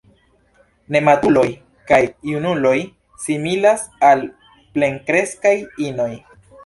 Nematuruloj kaj junuloj similas al plenkreskaj inoj.